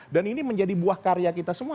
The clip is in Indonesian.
dan ini menjadi buah karya kita semua